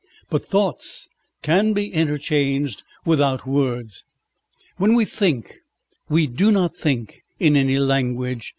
But thoughts can be interchanged without words. When we think we do not think in any language.